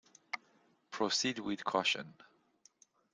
Proceed with caution.